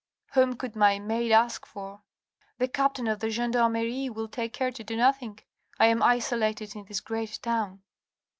Whom could my maid ask for ? The captain of the gendarmerie will take care to do nothing. I am isolated in this great town."